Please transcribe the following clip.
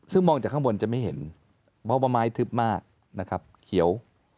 ซึ่งมองจากข้างบนจะไม่เห็นเพราะว่าไม้ทึบมากนะครับเขียว